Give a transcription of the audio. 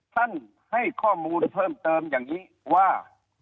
ให้ข้อมูลเพิ่มเติมอย่างนี้ว่า